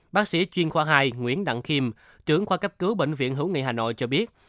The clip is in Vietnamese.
bác sĩ chuyên khoa hai nguyễn đặng khiêm trưởng khoa cấp cứu bệnh viện hữu nghị hà nội cho biết